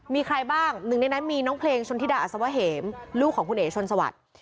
มีใครบ้างหนึ่งในนั้นมีน้องเพลงชนธิดาอัศวะเหมลูกของคุณเอ๋ชนสวัสดิ์